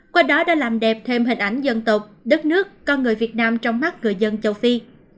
qua đó đã làm đẹp thêm hình ảnh dân tộc đất nước con người việt nam trong mắt người dân châu phi